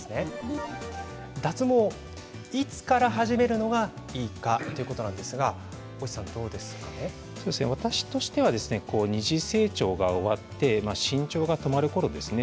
脱毛をいつから始めるのがいいかということなんですが私としては二次性徴が終わって身長が止まるころですね。